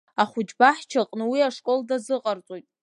Ахәыҷбаҳча аҟны уи ашкол дазыҟарҵоит.